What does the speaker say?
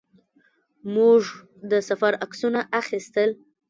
موږ د سفر عکسونه اخیستل.